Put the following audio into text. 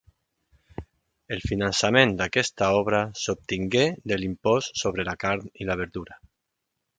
El finançament d'aquesta obra s'obtingué de l'impost sobre la carn i la verdura.